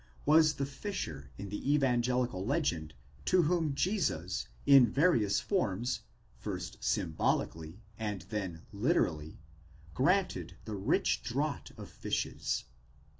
was the fisher in the evangelical legend to whom Jesus in various forms, first symbolically, and then literally, granted the rich draught of fishes.